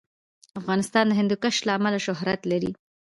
افغانستان د هندوکش له امله شهرت لري.